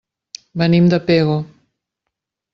Venim de Pego.